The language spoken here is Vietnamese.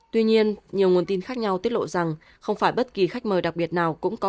tuy nhiên nhiều nguồn tin khác nhau tiết lộ rằng không phải bất kỳ khách mời đặc biệt nào cũng có